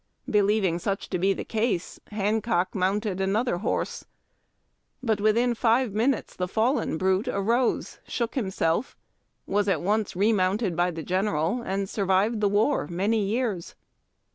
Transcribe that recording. Believ ing such to be the case, Hancock mounted another horse ; but within five minutes the fallen brute arose, shook him self, was at once remounted by the general, and survived the war many years.